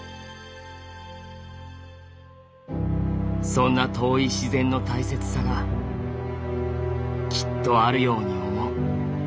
「そんな遠い自然の大切さがきっとあるように思う」。